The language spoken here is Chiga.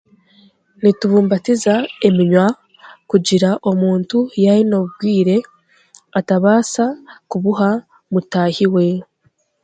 Nitubumbatiza eminywa kugira omuntu yaayine oburwire atabaasa kubuha mutaahi we.